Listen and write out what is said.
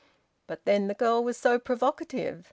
But then the girl was so provocative.